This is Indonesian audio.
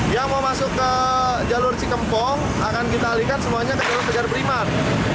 yang mau masuk ke jalur cikempong akan kita alihkan semuanya ke jalur kejar beriman